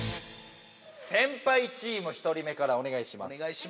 先輩チーム１人目からおねがいします。